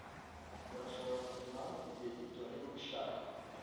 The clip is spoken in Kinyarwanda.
Urashobora kuguma hano igihe gito niba ubishaka.